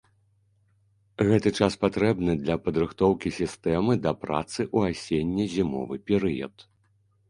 Гэты час патрэбны для падрыхтоўкі сістэмы да працы ў асенне-зімовы перыяд.